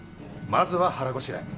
まずは腹ごしらえ。